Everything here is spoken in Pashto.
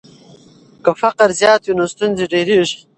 که فقر زیات وي نو ستونزې ډېریږي.